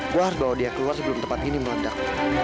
gue harus bawa dia keluar sebelum tempat ini meledak